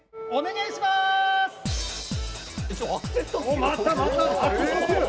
お願いしまーす！